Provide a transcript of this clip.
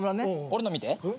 俺の見て。